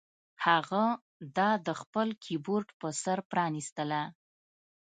هغه دا د خپل کیبورډ په سر پرانیستله